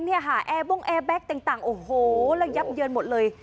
เนี่ยค่ะแอร์บงแอร์แก๊กต่างโอ้โหแล้วยับเยินหมดเลย